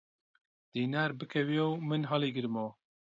دینار بکەوێ و من هەڵیگرمەوە!